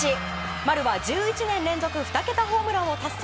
丸は１１年連続２桁ホームランを達成。